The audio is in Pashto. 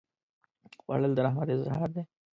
خوړل د رحمت اظهار دی